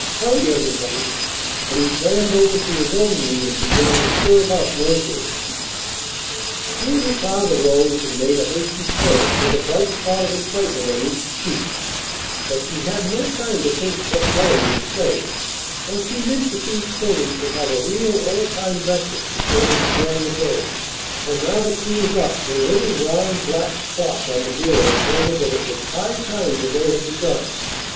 Hurry everybody!" And he slammed over to his own room and began to stir about noisily. Julia Cloud arose and made a hasty toilet, with a bright spot of excitement on each cheek; but she had no time to think what Ellen would say, for she meant that these children should have a real old time breakfast before they began the day; and now that she was up her little round black clock on the bureau told her that it was high time the day had begun.